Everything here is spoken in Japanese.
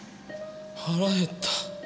腹減った。